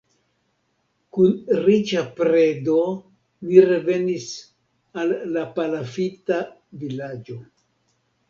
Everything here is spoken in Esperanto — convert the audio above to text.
Kun riĉa predo ni revenis al la palafita vilaĝo.